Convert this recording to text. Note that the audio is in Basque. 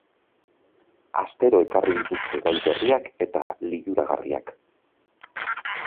Astero ekarri dituzte gai berriak eta liluragarriak.